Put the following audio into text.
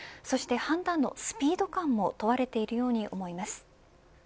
そして判断のスピード感も問われているように思います。